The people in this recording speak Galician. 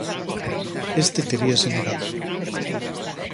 Este teríase negado.